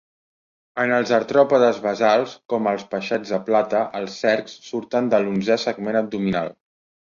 En els artròpodes basals, com els peixets de plata, els cercs surten de l'onzè segment abdominal.